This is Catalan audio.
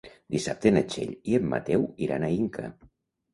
Dissabte na Txell i en Mateu iran a Inca.